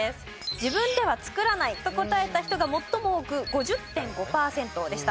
自分では作らないと答えた人が最も多く５０．５パーセントでした。